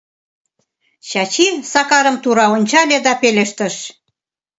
Чачи Сакарым тура ончале да пелештыш: